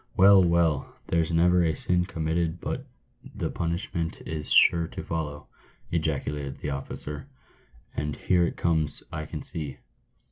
" Well, well ! there's never a "sin committed but the punishment is sure to follow," ejaculated the officer ;" and here it comes, I can see."